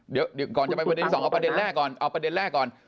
เดี๋ยวก่อนจะไปประเด็นสองเอาประเด็นแรกก่อนเอาประเด็นแรกก่อน